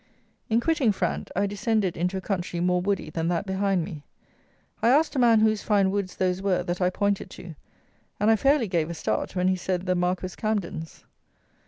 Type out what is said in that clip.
In quitting Frant I descended into a country more woody than that behind me. I asked a man whose fine woods those were that I pointed to, and I fairly gave a start when he said the Marquis Camden's.